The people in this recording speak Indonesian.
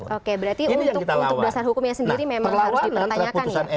oke berarti untuk dasar hukumnya sendiri memang harus dipertanyakan ya